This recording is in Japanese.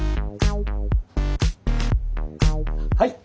はい。